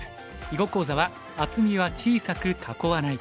囲碁講座は「厚みは小さく囲わない」。